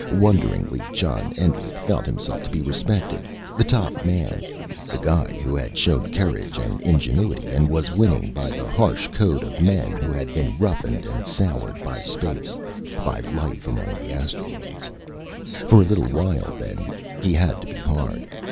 Wonderingly, John Endlich felt himself to be respected the Top Man. The guy who had shown courage and ingenuity, and was winning, by the harsh code of men who had been roughened and soured by space by life among the asteroids. For a little while then, he had to be hard.